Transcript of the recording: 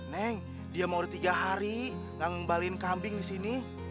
neng dia mau udah tiga hari enggak ngembalain kambing di sini